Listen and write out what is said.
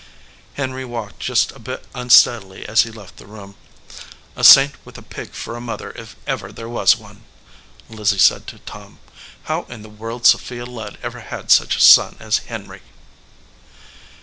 Henry walked just a bit unsteadily as he left the room. "A saint with a pig for a mother if ever there was one !" Lizzie said to Tom. "How in the world Sophia Ludd ever had such a son as Henry